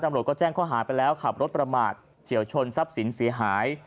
ตำรวจก็แจ้งข้อหาไปแล้วขับรถประมาทเฉียวชนทรัพย์สินเสียหาย